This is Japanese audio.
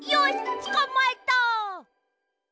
つかまえた。